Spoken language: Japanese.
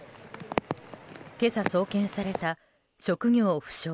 今朝、送検された職業不詳